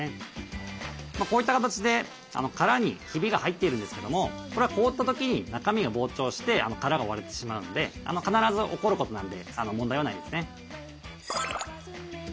こういった形で殻にひびが入っているんですけどもこれは凍った時に中身が膨張して殻が割れてしまうので必ず起こることなんで問題はないですね。